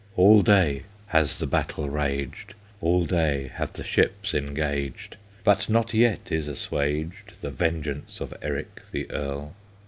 All day has the battle raged, All day have the ships engaged, But not yet is assuaged The vengeance of Eric the Earl.